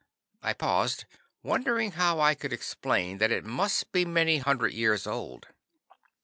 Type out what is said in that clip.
I paused, wondering how I could explain that it must be many hundred years old.